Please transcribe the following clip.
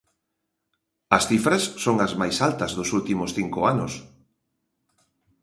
As cifras son as máis altas dos últimos cinco anos.